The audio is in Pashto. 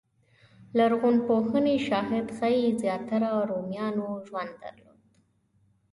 لرغونپوهنې شواهد ښيي زیاتره رومیانو ژوند درلود.